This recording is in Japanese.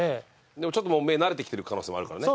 でもちょっと目慣れてきてる可能性もあるからね。